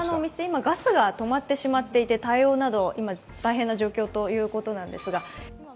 今、ガスが止まってしまっていて対応など大変な状況ということなんですが。